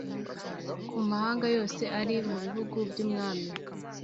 Ku mahanga yose ari mu bihugu by umwami